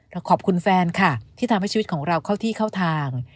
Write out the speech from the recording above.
ขอบคุณแฟนค่ะที่ทำให้ชีวิตของเราเข้าที่เข้าทาง